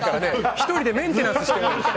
１人でメンテナンスしてますよ。